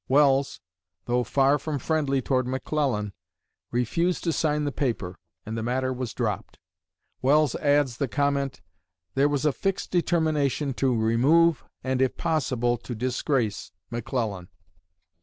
Welles, though far from friendly toward McClellan, refused to sign the paper, and the matter was dropped. Welles adds the comment, "There was a fixed determination to remove, and, if possible, to disgrace, McClellan."